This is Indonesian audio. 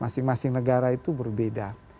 masing masing negara itu berbeda